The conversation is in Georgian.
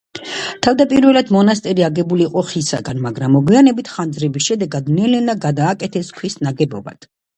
თავდაპირველად მონასტერი აგებული იყო ხისაგან, მაგრამ მოგვიანებით ხანძრების შედეგად ნელ-ნელა გადააკეთეს ქვის ნაგებობად.